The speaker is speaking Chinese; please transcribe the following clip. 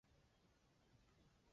以下表格按各守备位置排序。